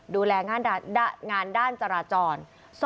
ดูแลงานด้านจราจร